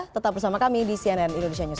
tetap bersama kami di cnn indonesia newsro